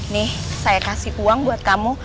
nih saya kasih uang buat kamu